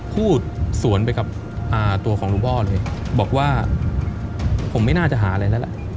พูดสวนไปกับตัวของหลวงพ่อเลยบอกว่าผมไม่น่าจะหาอะไรแล้วล่ะ